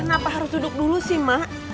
kenapa harus duduk dulu sih mak